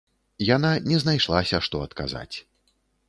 Яна не знайшлася, што адказаць.